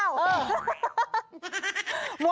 โอ้โฮโอ้โฮโอ้โฮโอ้โฮโอ้โฮโอ้โฮ